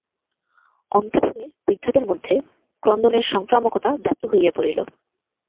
অন্তঃপুরে বৃদ্ধাদের মধ্যে ক্রন্দনের সংক্রামকতা ব্যাপ্ত হইয়া পড়িল।